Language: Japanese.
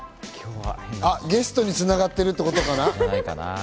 ゲストに繋がってるってことかな？